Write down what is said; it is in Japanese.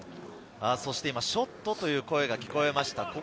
ショットという声が聞こえました。